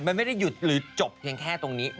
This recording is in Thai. มันไม่ได้หยุดหรือจบเพียงแค่ตรงนี้